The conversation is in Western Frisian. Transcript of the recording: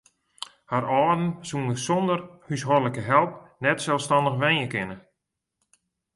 Har âlden soene sonder húshâldlike help net selsstannich wenje kinne.